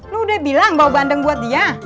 lo udah bilang bawa bandeng buat dia